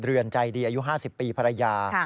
เรือนใจดีอายุ๕๐ปีภรรยา